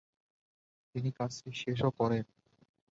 তিনি কাজটি শেষও করেন।